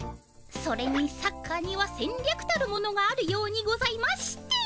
それにサッカーにはせんりゃくたるものがあるようにございまして。